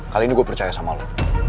kali ini gue percaya sama lo